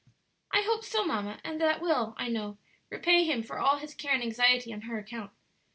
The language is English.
"I hope so, mamma; and that will, I know, repay him for all his care and anxiety on her account.